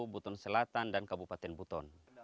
buton selatan dan kabupaten buton